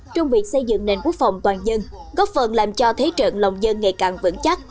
trong việc xây dựng nền quốc phòng toàn dân góp phần làm cho thế trận lòng dân ngày càng vững chắc